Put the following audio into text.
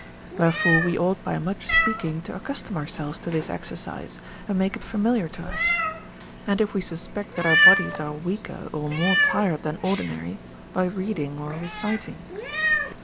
AVherefore we ought by much speaking to accustom our selves to this exercise, and make it familiar to us ; and if we suspect that our bodies are weaker or more tired than ordinary, by reading or reciting.